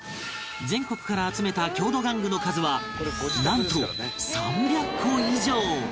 全国から集めた郷土玩具の数はなんと３００個以上！